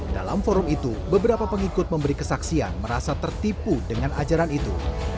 dalam forum itu beberapa pengikut memberi kesaksian merasa tertipu dengan ajaran itu